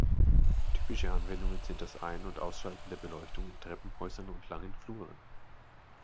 Typische Anwendungen sind das Ein- und Ausschalten der Beleuchtung in Treppenhäusern und langen Fluren.